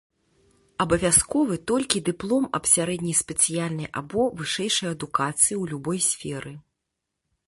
Абавязковы толькі дыплом аб сярэдняй спецыяльнай або вышэйшай адукацыі ў любой сферы.